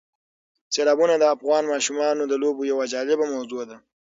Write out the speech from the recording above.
سیلابونه د افغان ماشومانو د لوبو یوه جالبه موضوع ده.